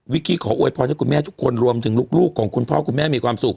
กี้ขออวยพรให้คุณแม่ทุกคนรวมถึงลูกของคุณพ่อคุณแม่มีความสุข